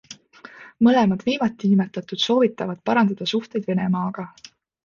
Mõlemad viimatinimetatud soovitavad parandada suhteid Venemaaga.